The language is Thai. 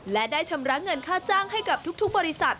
และได้ชำระเงินค่าจ้างให้กับทุกบริษัท